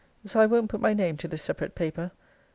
So, I won't put my name to this separate paper.